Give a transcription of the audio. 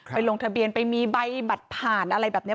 ลงทะเบียนไปมีใบบัตรผ่านอะไรแบบนี้